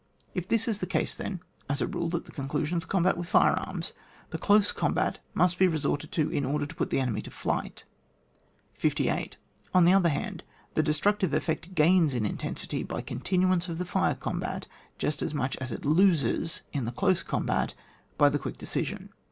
If this is the case then, as a rule at the conclusion of the combat with fire arms, the close combat must be resorted to in order to put the enemy to flight. 58. On the other hand, the destruc tive effect gains in intensity by continu ance of the fire combat just as much aa it loses in the close combat by the quick decision.